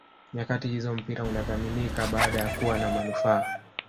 nyakati hizi mpira unathaminika baada ya kuwa na manufaa